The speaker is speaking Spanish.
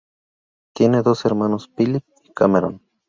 Tiene dos hermanos, Phillip y Cameron.